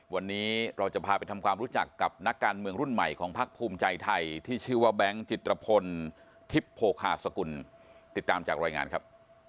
วันนี้เราจะพาไปทำความรู้จักกับนักการเมืองรุ่นใหม่ของพักภูมิใจไทยที่ชื่อว่าแบงค์จิตรพลทิพย์โภคาสกุลติดตามจากรายงานครับ